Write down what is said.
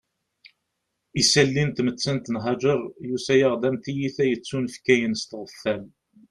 Isalli n tmettant n Haǧer yusa-aɣ-d am tiyita yettunefkayen s tɣeffal